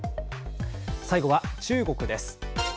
最後は中国です。